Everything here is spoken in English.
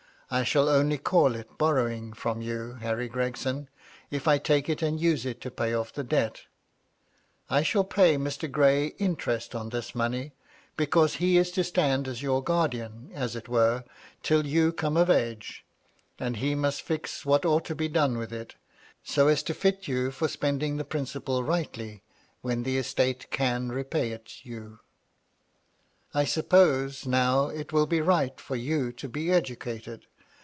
I shall only call it borrowing it from "you, Harry Gregson, if MY LADY LUDLOW. 287 I take it and use it to pay o£P the debt I shall pay Mr. Gray interest on this money, because he is to stand as your guardian, as it were, till you come of age ; and he must fix what ought to be done with it, so as to fit you for spending the principal rightly when the estate can repay it you. I suppose, now, it will be right for you to be educated.